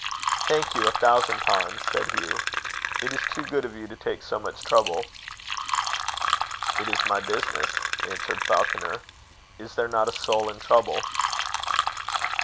"Thank you a thousand times," said Hugh. "It is too good of you to take so much trouble." "It is my business," answered Falconer. "Is there not a soul in trouble?"